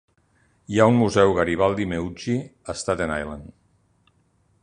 Hi ha un museu Garibaldi-Meucci a Staten Island.